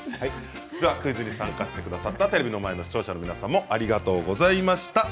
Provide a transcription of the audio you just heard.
クイズに参加してくださった視聴者の皆さんもありがとうございました。